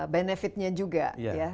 benefit nya juga ya